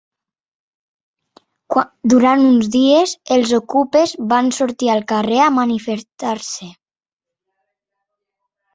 Durant uns dies, els okupes van sortir al carrer a manifestar-se.